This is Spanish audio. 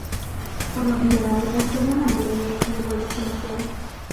Por lo general operan La mayoría como vuelos comerciales.